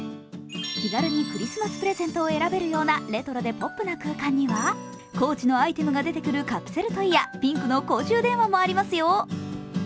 気軽にクリスマスプレゼントを選べるようなレトロでポップな空間にはＣＯＡＣＨのアイテムが出てくるカプセルトイやピンクの公衆電話もありますよ。